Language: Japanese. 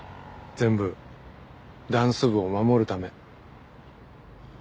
全部ダンス部を守るため。